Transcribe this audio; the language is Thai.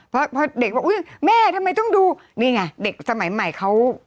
เพราะเด็กบอกอุ้ยแม่ทำไมต้องดูนี่ไงเด็กสมัยใหม่เขา